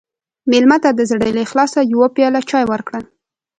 مېلمه ته د زړه له اخلاصه یوه پیاله چای ورکړه.